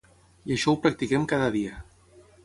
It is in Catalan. I això ho practiquem cada dia.